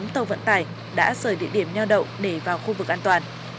một trăm hai mươi tám tàu vận tải đã rời địa điểm neo đậu để vào khu vực an toàn